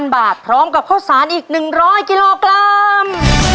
บาทพร้อมกับข้าวสารอีก๑๐๐กิโลกรัม